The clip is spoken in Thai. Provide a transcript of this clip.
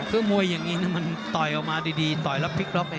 คือมวยอย่างนี้มันต่อยออกมาดีต่อยแล้วพลิกล็อกเอง